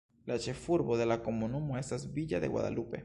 La ĉefurbo de la komunumo estas Villa de Guadalupe.